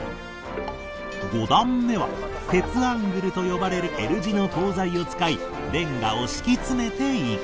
５段目は鉄アングルと呼ばれる Ｌ 字の鋼材を使いレンガを敷き詰めていく